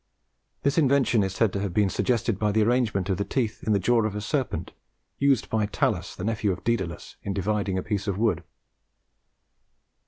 This invention is said to have been suggested by the arrangement of the teeth in the jaw of a serpent, used by Talus the nephew of Daedalus in dividing a piece of wood.